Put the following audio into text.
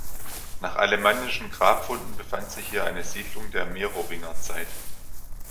Nach alemannischen Grabfunden befand sich hier eine Siedlung der Merowingerzeit.